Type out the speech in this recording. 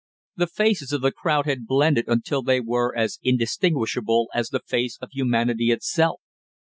The faces of the crowd had blended until they were as indistinguishable as the face of humanity itself.